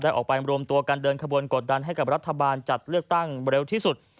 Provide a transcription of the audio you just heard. ออกไปรวมตัวกันเดินขบวนกดดันให้กับรัฐบาลจัดเลือกตั้งเร็วที่สุด